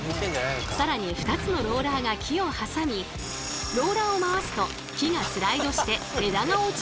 更に２つのローラーが木を挟みローラーを回すと木がスライドして枝が落ちるという仕組み。